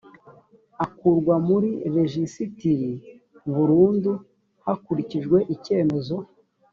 akurwa muri rejisitiri burundu hakurikijwe icyemezo